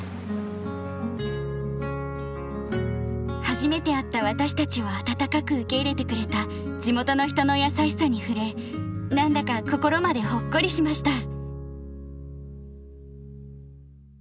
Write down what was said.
初めて会った私たちを温かく受け入れてくれた地元の人の優しさに触れ何だか心までほっこりしました。